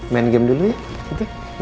main game dulu ya